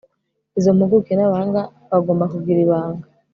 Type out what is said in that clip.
izo mpuguke n abahanga bagomba kugira ibanga